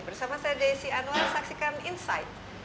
bersama saya desi anwar saksikan insight